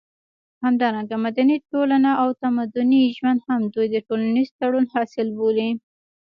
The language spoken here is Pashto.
همدارنګه مدني ټولنه او تمدني ژوند هم دوی د ټولنيز تړون حاصل بولي